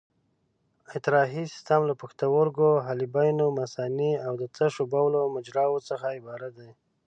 اطراحي سیستم له پښتورګو، حالبینو، مثانې او د تشو بولو مجراوو څخه عبارت دی.